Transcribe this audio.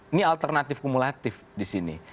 ini alternatif kumulatif di sini